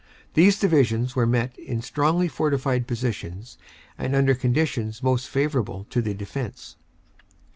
These Divisions were met in strongly fortified positions and under conditions most favorable to the defense.